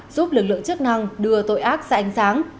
giúp lực lượng chức năng đưa tội ác ra ánh sáng